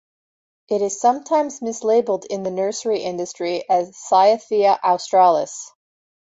It is sometimes mislabeled in the nursery industry as "Cyathea australis".